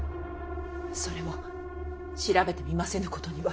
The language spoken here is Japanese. それも調べてみませぬことには。